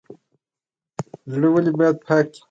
زړه ولې باید پاک وي؟